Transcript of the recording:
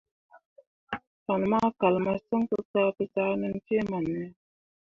Fan ma kal masǝŋ kǝ ka pǝ zah ʼnan cee man ya.